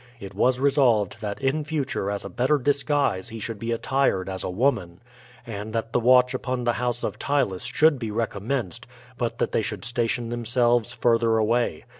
It was resolved that in future as a better disguise he should be attired as a woman, and that the watch upon the house of Ptylus should be recommenced; but that they should station themselves further away.